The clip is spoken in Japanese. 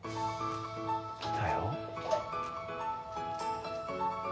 来たよ。